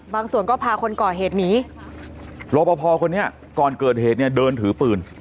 ส่วนก็พาคนก่อเหตุหนีรอปภคนนี้ก่อนเกิดเหตุเนี่ยเดินถือปืน